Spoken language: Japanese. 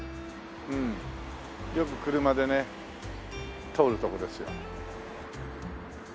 よく車でね通るとこですよ。